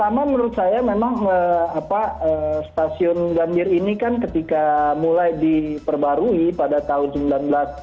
karena menurut saya memang apa stasiun gambir ini kan ketika mulai diperbarui pada tahun seribu sembilan ratus delapan puluh enam ya